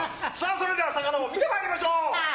それでは魚も見てまいりましょう。